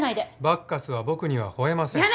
バッカスは僕には吠えません。